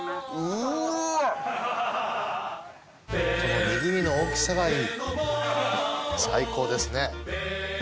うわっこの握りの大きさがいい最高ですね